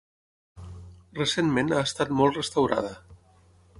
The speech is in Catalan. Recentment ha estat molt restaurada.